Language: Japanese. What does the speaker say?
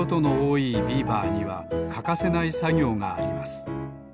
ビーバーにはかかせないさぎょうがあります。